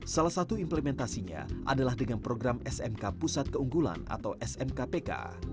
salah satu implementasinya adalah dengan program smk pusat keunggulan atau smkpk